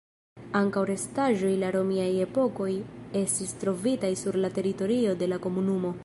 Ankaŭ restaĵoj el romia epoko estis trovitaj sur la teritorio de la komunumo.